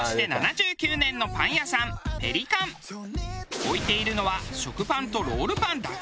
置いているのは食パンとロールパンだけ。